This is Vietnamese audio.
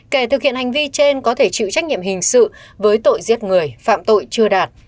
kể thực hiện hành vi trên có thể chịu trách nhiệm hình sự với tội giết người phạm tội chưa đạt